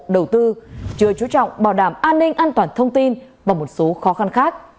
đầu tư chưa chú trọng bảo đảm an ninh an toàn thông tin và một số khó khăn khác